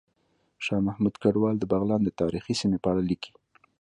شاه محمود کډوال د بغلان د تاریخي سیمې په اړه ليکلي